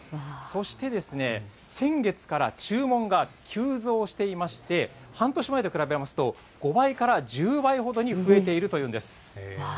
そしてですね、先月から注文が急増していまして、半年前と比べますと、５倍から１０倍ほどに増えているというんです。